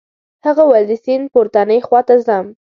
هغه وویل د سیند پورتنۍ خواته ځم.